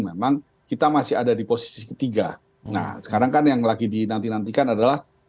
memang kita masih ada di posisi ketiga nah sekarang kan yang lagi dinantikan adalah